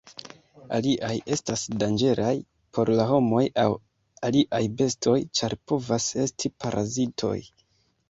Aliaj estas danĝeraj por la homoj aŭ aliaj bestoj, ĉar povas esti parazitoj.